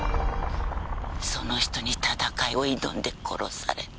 その人に戦いを挑んで殺された。